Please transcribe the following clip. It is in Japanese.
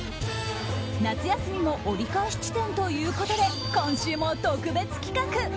夏休みも折り返し地点ということで今週も特別企画。